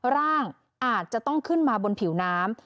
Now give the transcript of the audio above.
ร่างอาจจะต้องขึ้นมาบนผิวน้ำ